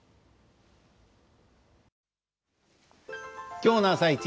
今日の「あさイチ」